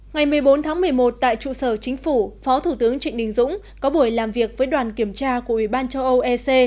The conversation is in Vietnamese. ngày một mươi bốn tháng một mươi một tại trụ sở chính phủ phó thủ tướng trịnh đình dũng có buổi làm việc với đoàn kiểm tra của ủy ban châu âu ec